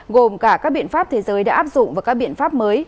gồm cả các biện pháp thế giới đã áp dụng và các biện pháp mới